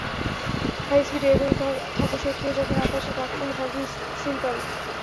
হাইস্পিডে এগোতে থাকো শত্রুরা যখন আকাশে তাক করে থাকবে, সিম্পল!